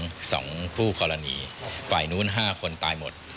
สองคู่กรณีฝ่ายนู้น๕คนตายหมด